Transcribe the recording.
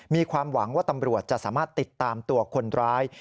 มีความหวังว่าตำรวจจะสามารถติดตามตัวคนร้าย